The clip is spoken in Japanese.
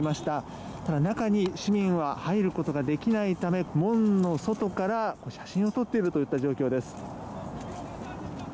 ただ、中に市民は入ることができないため門の外から写真を撮っている状況です。